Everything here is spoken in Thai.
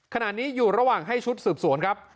ขณะนี้อยู่ระหว่างให้ชุดสืบสวนครับ